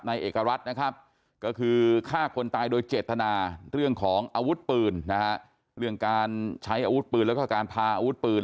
เอกรัฐนะครับก็คือฆ่าคนตายโดยเจตนาเรื่องของอาวุธปืนนะฮะเรื่องการใช้อาวุธปืนแล้วก็การพาอาวุธปืน